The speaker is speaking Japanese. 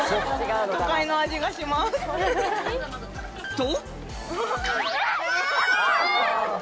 と！